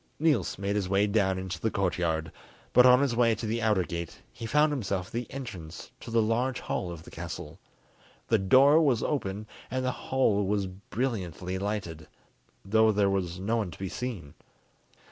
Niels made his way down into the courtyard, but on his way to the outer gate he found himself at the entrance to the large hall of the castle. The door was open, and the hall was brilliantly lighted, though there was no one to be seen.